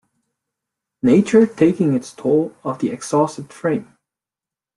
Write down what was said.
Nature taking its toll of the exhausted frame.